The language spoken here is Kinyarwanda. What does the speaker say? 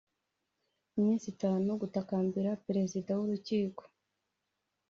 Iminsi itanu gutakambira perezida w urukiko